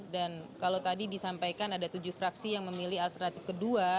dan kalau tadi disampaikan ada tujuh fraksi yang memilih alternatif kedua